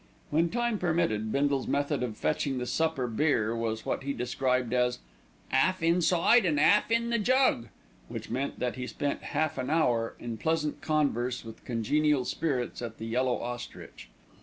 When time permitted, Bindle's method of fetching the supper beer was what he described as "'alf inside and 'alf in the jug," which meant that he spent half an hour in pleasant converse with congenial spirits at The Yellow Ostrich.